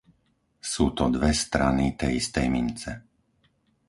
Sú to dve strany tej istej mince.